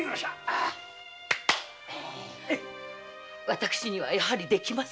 私にはやはりできません。